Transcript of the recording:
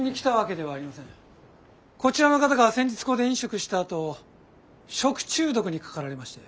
こちらの方が先日ここで飲食したあと食中毒にかかられまして。